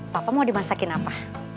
papa mau dimasakin apa